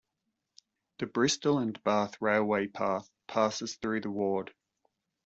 The Bristol and Bath Railway Path passes through the ward.